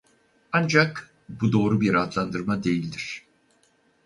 Ancak bu doğru bir adlandırma değildir.